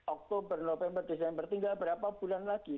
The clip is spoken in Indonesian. oktober november desember tinggal berapa bulan lagi